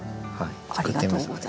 ありがとうございます。